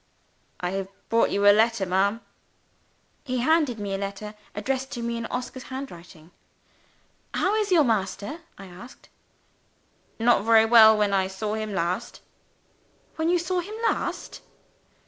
"I have brought you a letter, ma'am." He handed me a letter addressed to me in Oscar's handwriting. "How is your master?" I asked. "Not very well, when I saw him last." "When you saw him last?"